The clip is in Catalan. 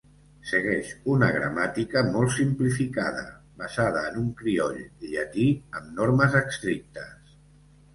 Segueix una gramàtica molt simplificada basada en un crioll llatí amb normes estrictes.